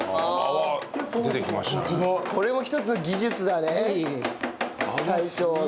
これも一つの技術だね大将の。